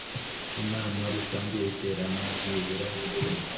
Inama rusange iterana byibura